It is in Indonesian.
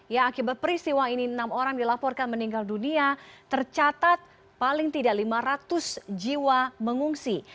ya akibat peristiwa ini enam orang dilaporkan meninggal dunia tercatat paling tidak lima ratus jiwa mengungsi